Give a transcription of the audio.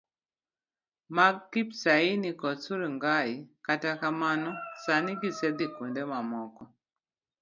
mag Kipsaina kod Surungai, kata kamano, sani gisedhi kuonde mamoko.